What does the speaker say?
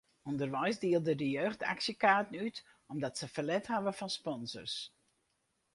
Underweis dielde de jeugd aksjekaarten út omdat se ferlet hawwe fan sponsors.